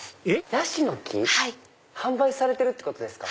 ヤシの木販売されてるんですか？